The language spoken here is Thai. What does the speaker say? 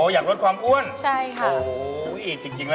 อ๋ออยากลดความอ้วนโอ้โฮใช่ค่ะ